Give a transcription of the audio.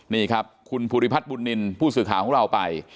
นี่ครับคุณภูริพัฒน์บุญนินทร์ผู้สื่อข่าวของเราไป